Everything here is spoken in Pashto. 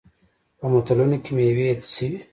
په متلونو کې میوې یادې شوي.